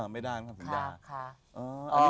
ไม่ได้ต้องทำสัญญา